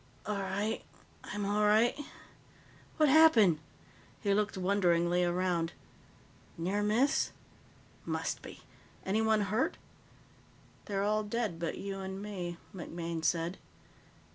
"All right. I'm all right. What happened?" He looked wonderingly around. "Near miss? Must be. Anyone hurt?" "They're all dead but you and me," MacMaine said.